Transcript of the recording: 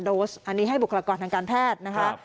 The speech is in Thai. ๗๐๐๐โดสอันนี้ให้บุคลากรทางการแพทย์